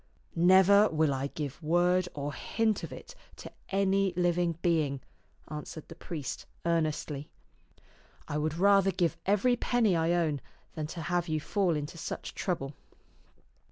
" Never will I give word or hint of it to any living being," answered the priest earnestly. " I would rather give every penny I own than to have you fall into such trouble."